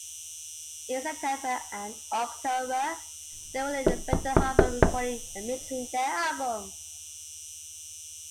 In September and October, they were in Benton Harbor recording and mixing their album.